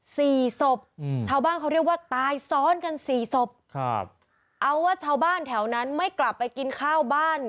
สี่ศพอืมชาวบ้านเขาเรียกว่าตายซ้อนกันสี่ศพครับเอาว่าชาวบ้านแถวนั้นไม่กลับไปกินข้าวบ้าน